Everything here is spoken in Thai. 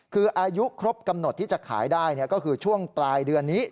คืออายุครบกำหนดที่จะขายได้ก็คือช่วงปลายเดือนนี้